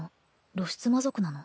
露出魔族なの？